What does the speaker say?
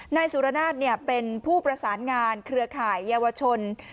นายสุรนาศเป็นผู้ประสานงานเครือข่ายเยาวชน